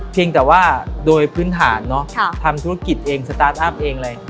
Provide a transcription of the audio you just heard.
เพียงแต่ว่าโดยพื้นฐานเนอะทำธุรกิจเองสตาร์ทอัพเองเลย